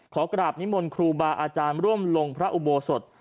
ขอกราบนิมนต์ครูบาอาจารย์ร่วมลงพระอุโบสถ